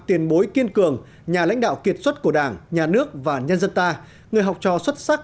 tiền bối kiên cường nhà lãnh đạo kiệt xuất của đảng nhà nước và nhân dân ta người học trò xuất sắc